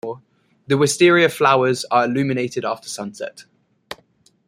The wisteria flowers are illuminated after sunset.